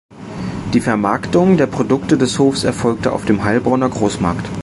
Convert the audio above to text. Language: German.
Die Vermarktung der Produkte des Hofs erfolgte auf dem Heilbronner Großmarkt.